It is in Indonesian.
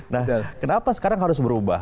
nah kenapa sekarang harus berubah